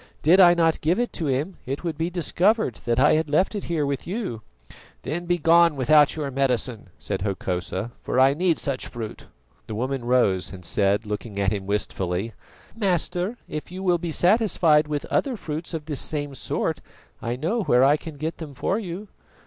Did I not give it to him, it would be discovered that I had left it here with you." "Then begone without your medicine," said Hokosa, "for I need such fruit." The woman rose and said, looking at him wistfully: "Master, if you will be satisfied with other fruits of this same sort, I know where I can get them for you."